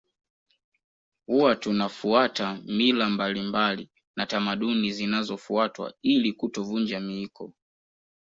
Huwa tunafuata mila mbalimbali na tamaduni zinazofuatwa ili kutovunja miiko